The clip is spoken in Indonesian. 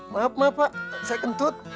maaf pak saya kentut